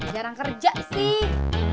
jarang kerja sih